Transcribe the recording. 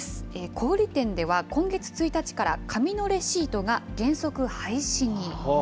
小売り店では、今月１日から紙のレシートが原則廃止に。